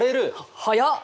早っ！